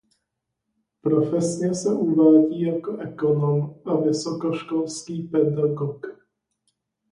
Profesně se uvádí jako ekonom a vysokoškol.pedagog.